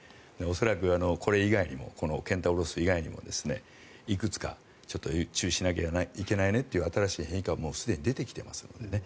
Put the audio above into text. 恐らく、これ以外にもケンタウロス以外にもいくつか注意しなきゃいけないねという変異株も出てきていますのでね。